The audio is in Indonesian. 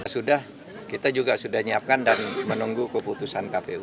sudah kita juga sudah menyiapkan dan menunggu keputusan kpu